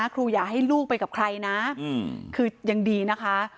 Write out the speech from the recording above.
อย่าให้ลูกไปกับใครนะคือยังดีนะคะ